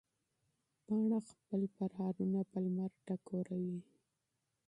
پاڼه خپل زخمونه په لمر ټکوروي.